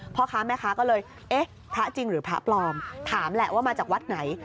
พ่อค้าแม่ค้าก็เลยเอ๊ะพระจริงหรือพระปลอมถามแหละว่ามาจากวัดไหน